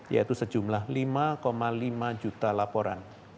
yaitu sejumlah lima lima juta laporan